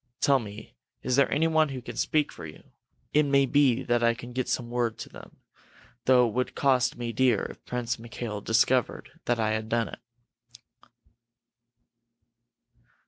Tell me, is there anyone who can speak for you? It may be that I can get some word to them though it would cost me dear if Prince Mikail discovered that I had done it."